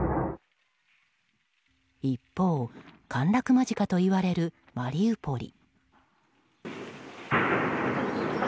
一方、陥落間近といわれるマリウポリ。